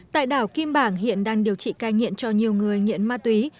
tại đảo kim bảng hiện đang điều trị cai nghiện cho nhiều người nghiện ma túy